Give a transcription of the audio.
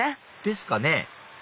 ですかね？